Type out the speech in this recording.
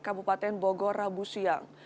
kabupaten bogor rabu siang